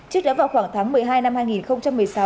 trước đó vào khoảng tháng một mươi hai năm hai nghìn một mươi sáu